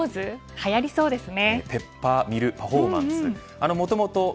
はやりそうですね。